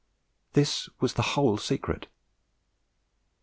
This was the whole secret.